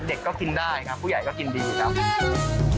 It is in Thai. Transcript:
เด็กก็กินได้ครับผู้ใหญ่ก็กินดีครับ